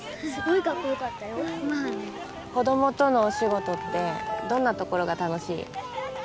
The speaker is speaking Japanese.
子供とのお仕事ってどんなところが楽しい？